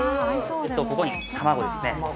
ここに卵ですね。